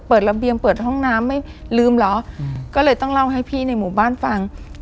ระเบียงเปิดห้องน้ำไม่ลืมเหรอก็เลยต้องเล่าให้พี่ในหมู่บ้านฟัง